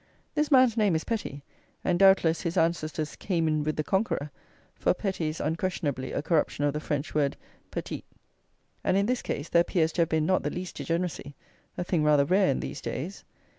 This man's name is Petty, and, doubtless, his ancestors "came in with the Conqueror;" for Petty is, unquestionably, a corruption of the French word Petit; and in this case there appears to have been not the least degeneracy; a thing rather rare in these days.